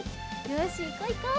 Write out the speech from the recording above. よしいこういこう。